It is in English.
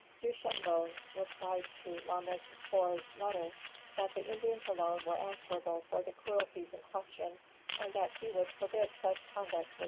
Duchambon replied to La Maisonfort's letter that the Indians alone were answerable for the cruelties in question, and that he would forbid such conduct for the future.